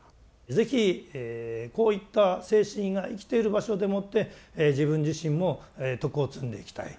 是非こういった精神が生きている場所でもって自分自身も徳を積んでいきたい。